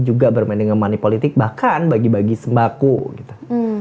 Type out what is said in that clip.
juga bermain dengan money politik bahkan bagi bagi sembako gitu